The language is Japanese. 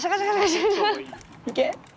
いけ！